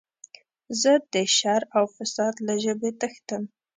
زه د شر او فساد له ژبې تښتم.